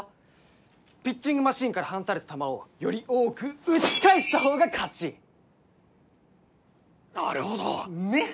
ピッチングマシンから放たれた球をより多く打ち返したほうが勝ちなるほどねっ？